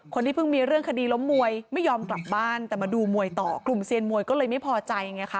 คนที่เพิ่งมีเรื่องคดีล้มมวยไม่ยอมกลับบ้านแต่มาดูมวยต่อกลุ่มเซียนมวยก็เลยไม่พอใจไงคะ